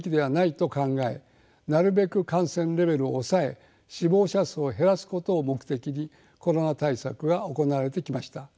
なるべく感染レベルを抑え死亡者数を減らすことを目的にコロナ対策が行われてきました。